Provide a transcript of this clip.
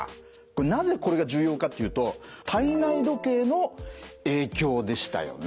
なぜこれが重要かっていうと体内時計の影響でしたよね。